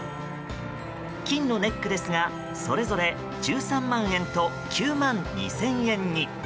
金のネックレスが、それぞれ１３万円と９万２０００円に。